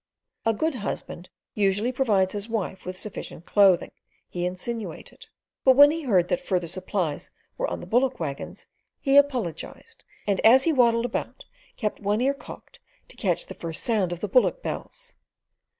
A good husband usually provides his wife with sufficient clothing, he insinuated; but when he heard that further supplies were on the bullock waggons, he apologised, and as he waddled about kept one ear cocked to catch the first sound of the bullock bells.